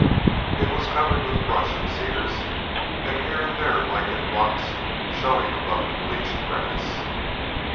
It was covered with brush and cedars, with here and there lichened rocks showing above the bleached grass.